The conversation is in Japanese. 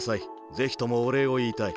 ぜひともおれいをいいたい。